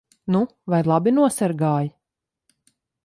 Nu vai labi nosargāji?